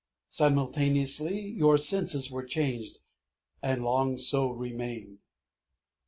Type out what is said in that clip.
Simultaneously your senses were changed, and long so remained.